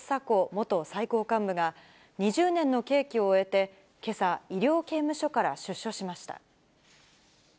元最高幹部が、２０年の刑期を終えて、けさ、医療刑務所から出所しました。